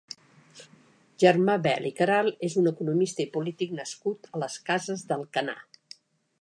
Germà Bel i Queralt és un economista i polític nascut a les Cases d'Alcanar.